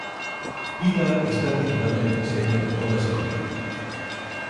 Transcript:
Ida está titulada en diseño de modas y comercio.